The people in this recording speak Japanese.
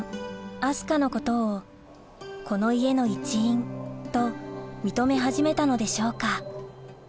明日香のことをこの家の一員と認め始めたのでしょうか